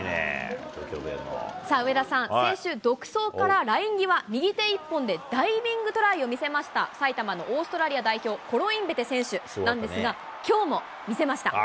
さあ、上田さん、先週、独走からライン際、右て１本でダイビングトライを見せました、埼玉のオーストラリア代表、コロインベテ選手なんですが、きょうも見せました。